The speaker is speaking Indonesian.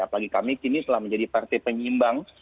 apalagi kami kini telah menjadi partai penyimbang